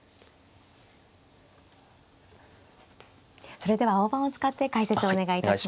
それでは大盤を使って解説お願いいたします。